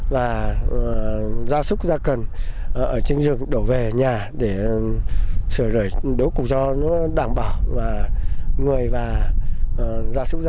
và gia súc gia cần ở trên rừng đổ về nhà để sửa rời đối cùng cho đảm bảo người và gia súc